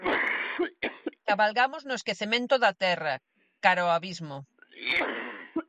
Cabalgamos no esquecemento da Terra, cara ao abismo.